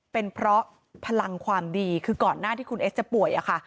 เป็นเพราะพลังความดีคือก่อนหน้าที่คุณเอสจะป่วยอะค่ะ